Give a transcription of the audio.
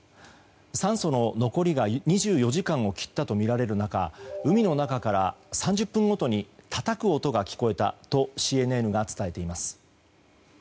酸素の残りが２４時間を切ったとみられる中海の中から３０分ごとにたたく音が聞こえたとＣＮＮが伝えています。